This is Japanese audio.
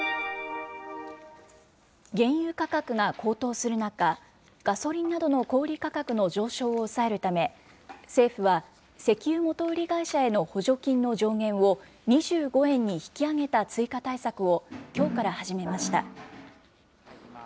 原油価格が高騰する中、ガソリンなどの小売り価格の上昇を抑えるため、政府は石油元売り会社への補助金の上限を、２５円に引き上げた追加対策を、きょうから始めました。